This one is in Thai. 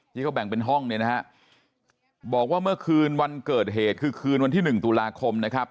ที่เขาแบ่งเป็นห้องเนี่ยนะฮะบอกว่าเมื่อคืนวันเกิดเหตุคือคืนวันที่หนึ่งตุลาคมนะครับ